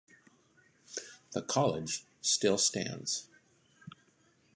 The College still stands.